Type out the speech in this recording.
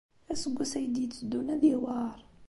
Aseggas ay d-yetteddun ad yewɛeṛ.